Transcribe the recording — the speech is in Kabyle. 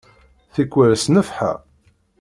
Tikwal s nnefḥa!